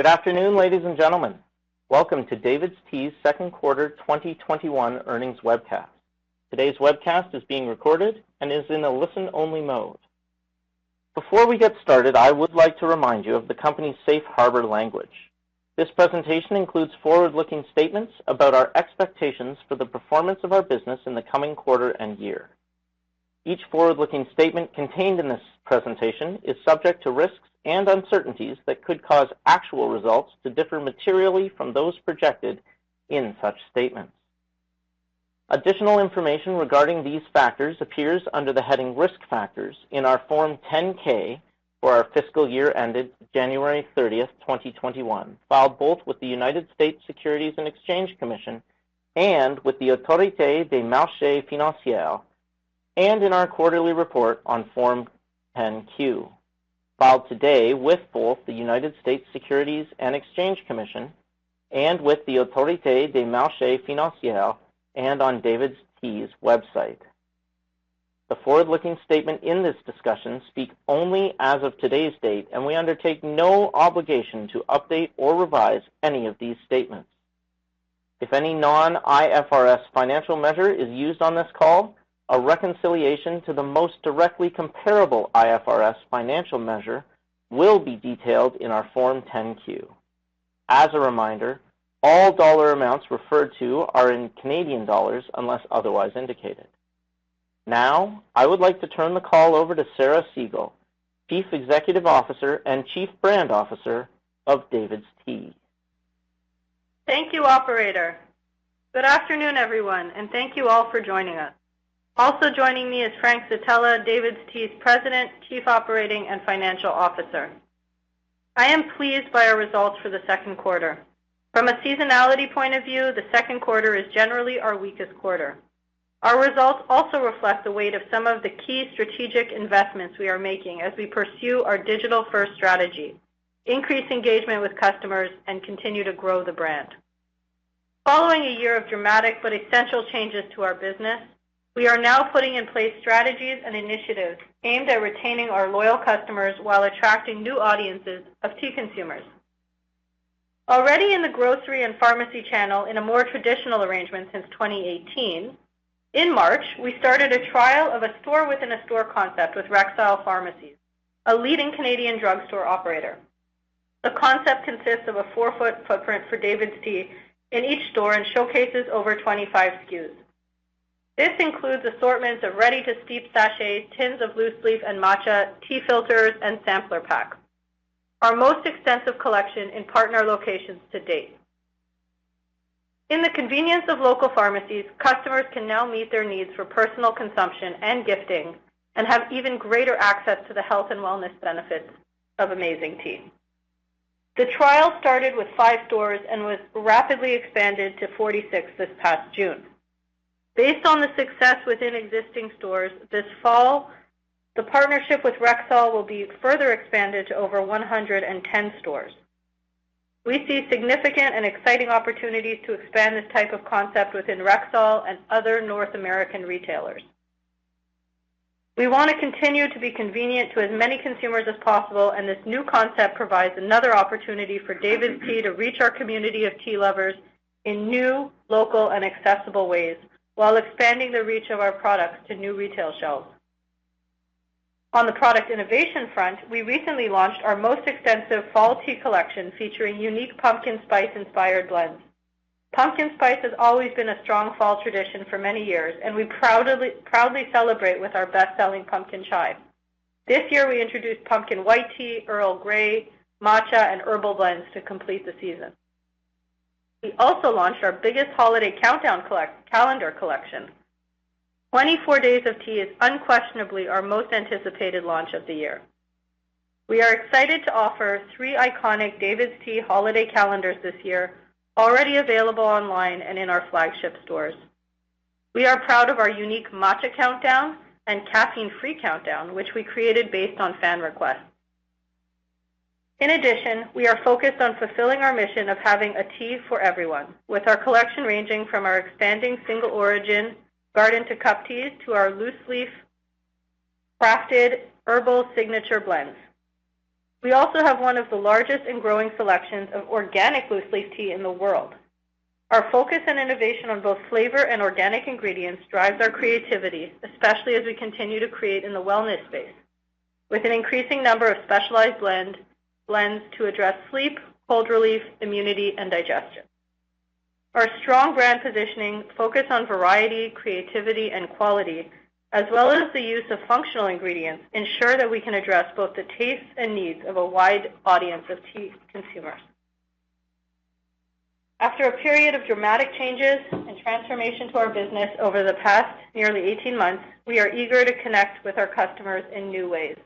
Good afternoon, ladies and gentlemen. Welcome to DAVIDsTEA's second quarter 2021 earnings webcast. Today's webcast is being recorded and is in a listen-only mode. Before we get started, I would like to remind you of the company's Safe Harbor language. This presentation includes forward-looking statements about our expectations for the performance of our business in the coming quarter and year. Each forward-looking statement contained in this presentation is subject to risks and uncertainties that could cause actual results to differ materially from those projected in such statements. Additional information regarding these factors appears under the heading Risk Factors in our Form 10-K for our fiscal year ended January 30th, 2021, filed both with the United States Securities and Exchange Commission and with the Autorité des Marchés Financiers, and in our quarterly report on Form 10-Q, filed today with both the United States Securities and Exchange Commission and with the Autorité des Marchés Financiers, and on DAVIDsTEA's website. The forward-looking statement in this discussion speak only as of today's date, and we undertake no obligation to update or revise any of these statements. If any non-IFRS financial measure is used on this call, a reconciliation to the most directly comparable IFRS financial measure will be detailed in our Form 10-Q. As a reminder, all dollar amounts referred to are in Canadian dollars unless otherwise indicated. I would like to turn the call over to Sarah Segal, Chief Executive Officer and Chief Brand Officer of DAVIDsTEA. Thank you, operator. Good afternoon, everyone, and thank you all for joining us. Also joining me is Frank Zitella, DAVIDsTEA's President, Chief Operating and Financial Officer. I am pleased by our results for the second quarter. From a seasonality point of view, the second quarter is generally our weakest quarter. Our results also reflect the weight of some of the key strategic investments we are making as we pursue our digital-first strategy, increase engagement with customers, and continue to grow the brand. Following a year of dramatic but essential changes to our business, we are now putting in place strategies and initiatives aimed at retaining our loyal customers while attracting new audiences of tea consumers. Already in the grocery and pharmacy channel in a more traditional arrangement since 2018, in March, we started a trial of a store within a store concept with Rexall Pharmacy, a leading Canadian drugstore operator. The concept consists of a 4-ft footprint for DAVIDsTEA in each store and showcases over 25 SKUs. This includes assortments of ready-to-steep sachets, tins of loose leaf and matcha, tea filters, and sampler packs, our most extensive collection in partner locations to date. In the convenience of local pharmacies, customers can now meet their needs for personal consumption and gifting and have even greater access to the health and wellness benefits of amazing tea. The trial started with five stores and was rapidly expanded to 46 this past June. Based on the success within existing stores, this fall, the partnership with Rexall will be further expanded to over 110 stores. We see significant and exciting opportunities to expand this type of concept within Rexall and other North American retailers. We want to continue to be convenient to as many consumers as possible, and this new concept provides another opportunity for DAVIDsTEA to reach our community of tea lovers in new, local, and accessible ways while expanding the reach of our products to new retail shelves. On the product innovation front, we recently launched our most extensive fall tea collection, featuring unique pumpkin spice-inspired blends. Pumpkin spice has always been a strong fall tradition for many years, and we proudly celebrate with our best-selling Pumpkin Chai. This year, we introduced pumpkin white tea, Earl Grey, matcha, and herbal blends to complete the season. We also launched our biggest holiday countdown calendar collection. 24 Days of Tea is unquestionably our most anticipated launch of the year. We are excited to offer three iconic DAVIDsTEA holiday calendars this year, already available online and in our flagship stores. We are proud of our unique matcha countdown and caffeine-free countdown, which we created based on fan requests. In addition, we are focused on fulfilling our mission of having a tea for everyone, with our collection ranging from our expanding single-origin garden-to-cup teas to our loose leaf crafted herbal signature blends. We also have one of the largest and growing selections of organic loose leaf tea in the world. Our focus and innovation on both flavor and organic ingredients drives our creativity, especially as we continue to create in the wellness space, with an increasing number of specialized blends to address sleep, cold relief, immunity, and digestion. Our strong brand positioning focus on variety, creativity, and quality, as well as the use of functional ingredients, ensure that we can address both the tastes and needs of a wide audience of tea consumers. After a period of dramatic changes and transformation to our business over the past nearly 18 months, we are eager to connect with our customers in new ways.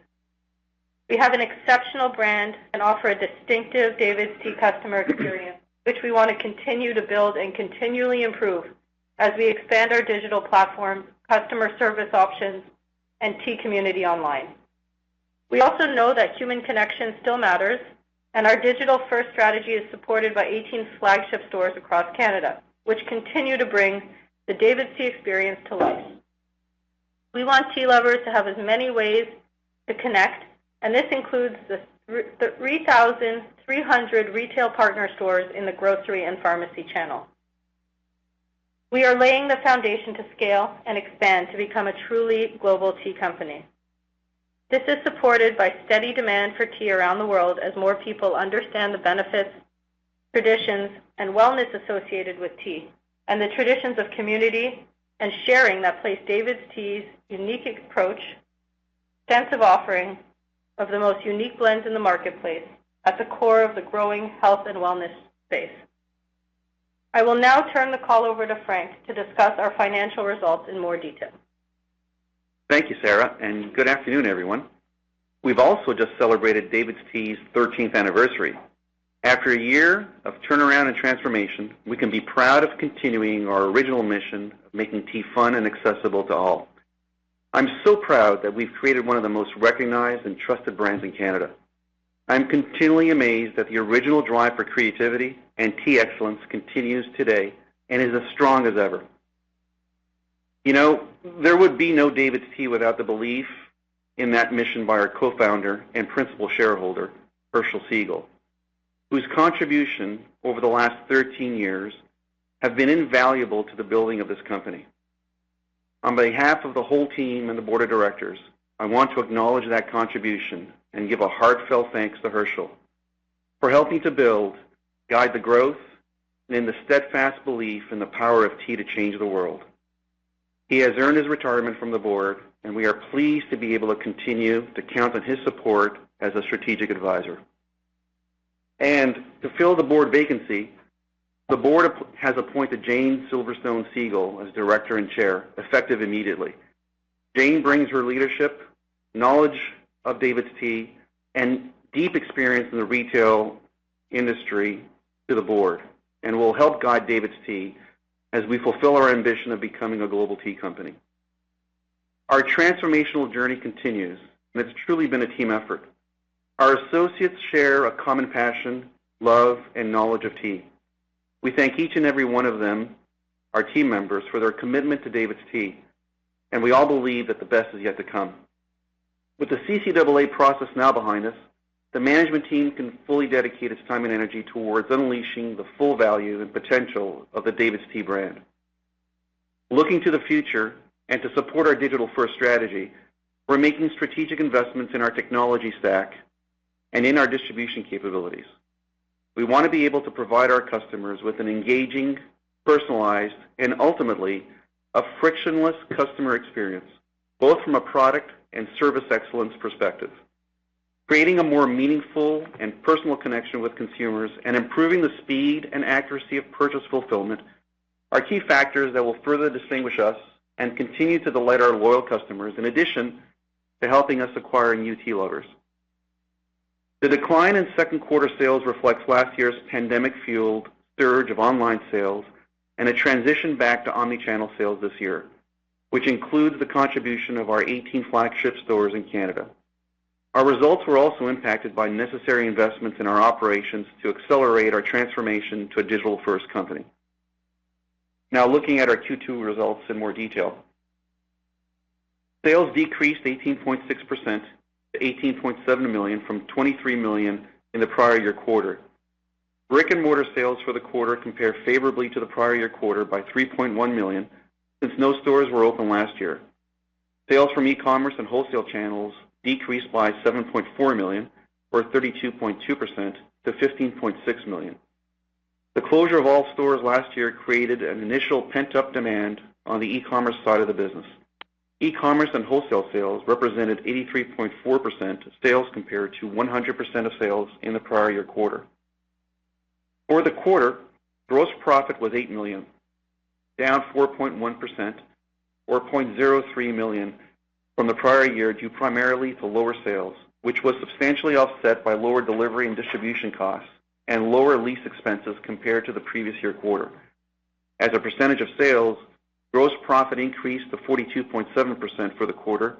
We have an exceptional brand and offer a distinctive DAVIDsTEA customer experience, which we want to continue to build and continually improve as we expand our digital platform, customer service options, and tea community online. We also know that human connection still matters, and our digital-first strategy is supported by 18 flagship stores across Canada, which continue to bring the DAVIDsTEA experience to life. We want tea lovers to have as many ways to connect, and this includes the 3,300 retail partner stores in the grocery and pharmacy channel. We are laying the foundation to scale and expand to become a truly global tea company. This is supported by steady demand for tea around the world as more people understand the benefits, traditions, and wellness associated with tea, and the traditions of community and sharing that place DAVIDsTEA's unique approach, extensive offering of the most unique blends in the marketplace at the core of the growing health and wellness space. I will now turn the call over to Frank to discuss our financial results in more detail. Thank you, Sarah, good afternoon, everyone. We've also just celebrated DAVIDsTEA's 13th anniversary. After a year of turnaround and transformation, we can be proud of continuing our original mission of making tea fun and accessible to all. I'm so proud that we've created one of the most recognized and trusted brands in Canada. I'm continually amazed that the original drive for creativity and tea excellence continues today and is as strong as ever. There would be no DAVIDsTEA without the belief in that mission by our Co-founder and Principal Shareholder, Herschel Segal, whose contribution over the last 13 years have been invaluable to the building of this company. On behalf of the whole team and the Board of Directors, I want to acknowledge that contribution and give a heartfelt thanks to Herschel for helping to build, guide the growth, and in the steadfast belief in the power of tea to change the world. He has earned his retirement from the board, and we are pleased to be able to continue to count on his support as a strategic advisor. To fill the board vacancy, the board has appointed Jane Silverstone Segal as Director and Chair, effective immediately. Jane brings her leadership, knowledge of DAVIDsTEA, and deep experience in the retail industry to the board, and will help guide DAVIDsTEA as we fulfill our ambition of becoming a global tea company. Our transformational journey continues, and it's truly been a team effort. Our associates share a common passion, love, and knowledge of tea. We thank each and every one of them, our team members, for their commitment to DAVIDsTEA, and we all believe that the best is yet to come. With the CCAA process now behind us, the management team can fully dedicate its time and energy towards unleashing the full value and potential of the DAVIDsTEA brand. Looking to the future, and to support our digital-first strategy, we're making strategic investments in our technology stack and in our distribution capabilities. We want to be able to provide our customers with an engaging, personalized, and ultimately, a frictionless customer experience, both from a product and service excellence perspective. Creating a more meaningful and personal connection with consumers and improving the speed and accuracy of purchase fulfillment are key factors that will further distinguish us and continue to delight our loyal customers, in addition to helping us acquiring new tea lovers. The decline in second quarter sales reflects last year's pandemic-fueled surge of online sales and a transition back to omni-channel sales this year, which includes the contribution of our 18 flagship stores in Canada. Our results were also impacted by necessary investments in our operations to accelerate our transformation to a digital-first company. Now, looking at our Q2 results in more detail. Sales decreased 18.6% to 18.7 million from 23 million in the prior year quarter. Brick-and-mortar sales for the quarter compare favorably to the prior year quarter by 3.1 million, since no stores were open last year. Sales from e-commerce and wholesale channels decreased by 7.4 million, or 32.2%, to 15.6 million. The closure of all stores last year created an initial pent-up demand on the e-commerce side of the business. E-commerce and wholesale sales represented 83.4% of sales compared to 100% of sales in the prior year quarter. For the quarter, gross profit was 8 million, down 4.1%, or 0.03 million from the prior year due primarily to lower sales, which was substantially offset by lower delivery and distribution costs and lower lease expenses compared to the previous year quarter. As a percentage of sales, gross profit increased to 42.7% for the quarter,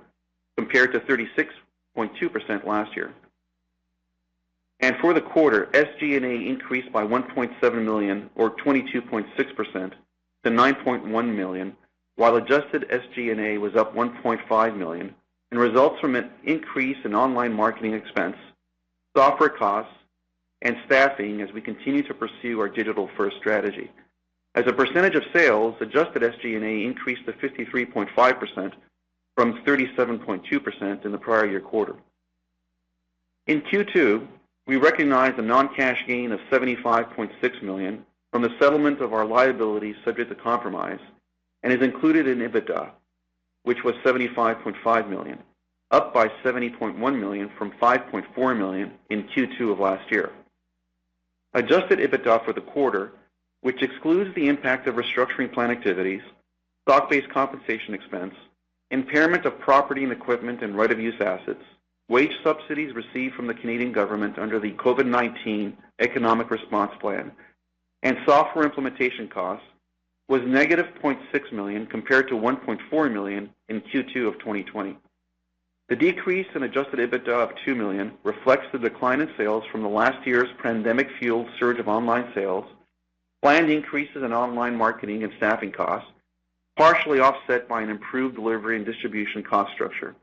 compared to 36.2% last year. For the quarter, SG&A increased by 1.7 million or 22.6% to 9.1 million, while adjusted SG&A was up 1.5 million, and results from an increase in online marketing expense, software costs, and staffing as we continue to pursue our digital-first strategy. As a percentage of sales, adjusted SG&A increased to 53.5% from 37.2% in the prior year quarter. In Q2, we recognized a non-cash gain of 75.6 million from the settlement of our liabilities subject to compromise, and is included in EBITDA, which was 75.5 million, up by 70.1 million from 5.4 million in Q2 of last year. Adjusted EBITDA for the quarter, which excludes the impact of restructuring plan activities, stock-based compensation expense, impairment of property and equipment and right-of-use assets, wage subsidies received from the Canadian government under the COVID-19 Economic Response Plan, and software implementation costs, was negative 0.6 million compared to 1.4 million in Q2 of 2020. The decrease in adjusted EBITDA of 2 million reflects the decline in sales from the last year's pandemic-fueled surge of online sales, planned increases in online marketing and staffing costs, partially offset by an improved delivery and distribution cost structure.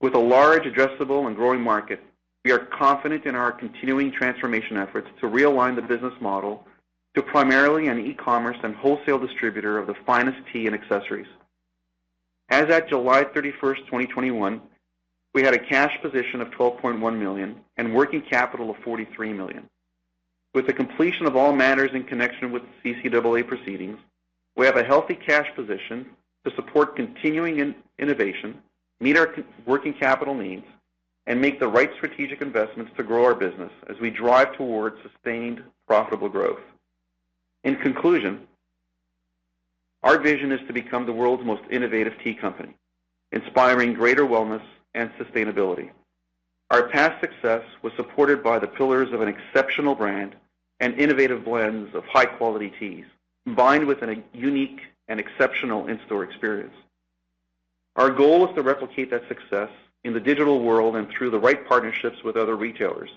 With a large addressable and growing market, we are confident in our continuing transformation efforts to realign the business model to primarily an e-commerce and wholesale distributor of the finest tea and accessories. As at July 31st, 2021, we had a cash position of 12.1 million and working capital of 43 million. With the completion of all matters in connection with the CCAA proceedings, we have a healthy cash position to support continuing innovation, meet our working capital needs, and make the right strategic investments to grow our business as we drive towards sustained profitable growth. In conclusion, our vision is to become the world's most innovative tea company, inspiring greater wellness and sustainability. Our past success was supported by the pillars of an exceptional brand and innovative blends of high-quality teas, combined with a unique and exceptional in-store experience. Our goal is to replicate that success in the digital world and through the right partnerships with other retailers,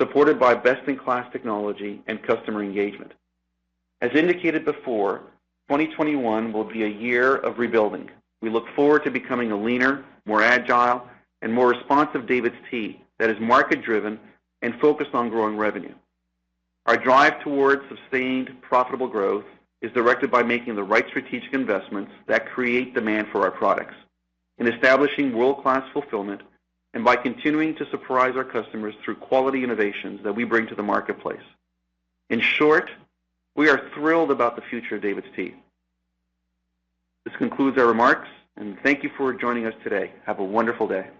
supported by best-in-class technology and customer engagement. As indicated before, 2021 will be a year of rebuilding. We look forward to becoming a leaner, more agile, and more responsive DAVIDsTEA that is market-driven and focused on growing revenue. Our drive towards sustained profitable growth is directed by making the right strategic investments that create demand for our products, in establishing world-class fulfillment, and by continuing to surprise our customers through quality innovations that we bring to the marketplace. In short, we are thrilled about the future of DAVIDsTEA. This concludes our remarks, and thank you for joining us today. Have a wonderful day.